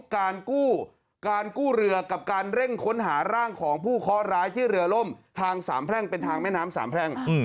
การกู้การกู้เรือกับการเร่งค้นหาร่างของผู้เคาะร้ายที่เรือล่มทางสามแพร่งเป็นทางแม่น้ำสามแพร่ง